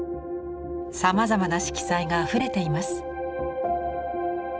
さまざまな色彩があふれています。